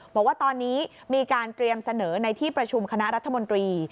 บอกว่าตอนนี้มีการเตรียมเสนอในที่ประชุมคณะรัฐมนตรี